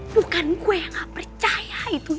duh kan gue yang gak percaya itu